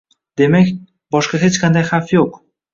Demak, boshqa hech qanday xavf yo‘q